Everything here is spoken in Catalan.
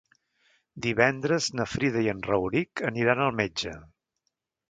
Divendres na Frida i en Rauric aniran al metge.